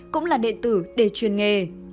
cũng là đệ tử đề chuyên nghề